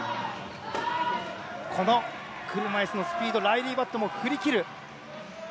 車いすのスピードライリー・バットも振り切った。